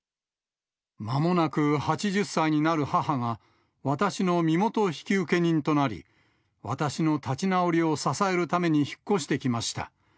まもなく８０歳になる母が、私の身元引受人となり、私の立ち直りを支えるために引っ越してきました。